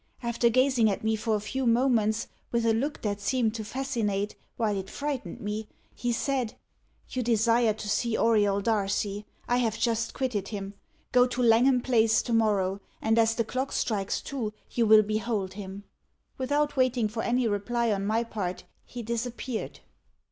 After gazing at me for a few moments, with a look that seemed to fascinate while it frightened me, he said 'You desire to see Auriol Darcy. I have just quitted him. Go to Langham Place to morrow, and, as the clock strikes two, you will behold him.' Without waiting for any reply on my part, he disappeared."